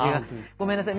ごめんなさい。